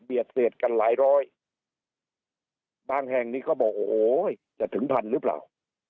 เสียดกันหลายร้อยบางแห่งนี้ก็บอกโอ้โหจะถึงพันหรือเปล่า